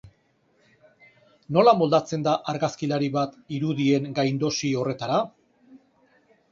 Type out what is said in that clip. Nola moldatzen da argazkilari bat irudien gaindosi horretara?